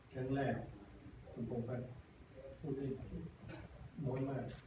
ครั้งแรกคุณคงแป๊บพูดได้ม้อยมาก